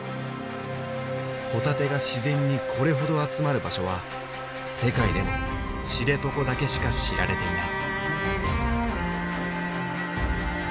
ホタテが自然にこれほど集まる場所は世界でも知床だけしか知られていない。